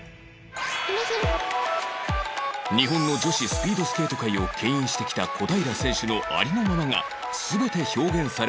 日本の女子スピードスケート界をけん引してきた小平選手のありのままが全て表現されていたんです